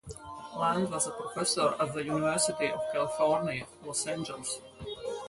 Land was a professor at the University of California, Los Angeles.